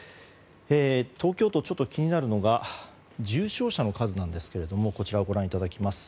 東京都、気になるのが重症者の数なんですがこちらをご覧いただきます。